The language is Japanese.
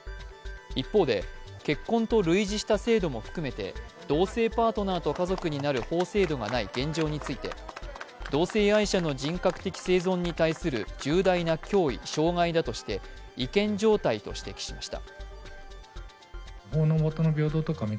一方で、結婚と類似した制度も含めて同性パートナーと家族になる法制度がない現状について同性愛者の人格的生存に対する重大な脅威、障害だとして違憲状態と指摘しました。